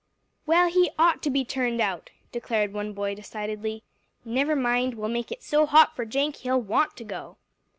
"Well, he ought to be turned out," declared one boy decidedly. "Never mind, we'll make it so hot for that Jenk, he'll want to go."